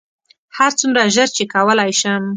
هرڅومره ژر چې کولی شم.